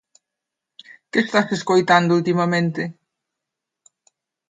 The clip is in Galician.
Que estás escoitando ultimamente?